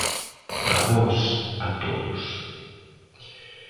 A vós, a todos.